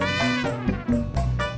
ya saya lagi konsentrasi